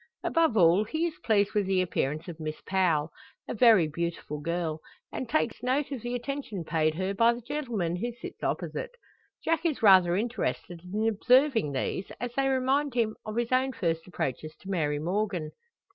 Above all he is pleased with the appearance of Miss Powell, a very beautiful girl; and takes note of the attention paid her by the gentleman who sits opposite. Jack is rather interested in observing these, as they remind him of his own first approaches to Mary Morgan.